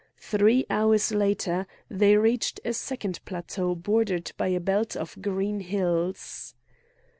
Three hours later they reached a second plateau bordered by a belt of green hills.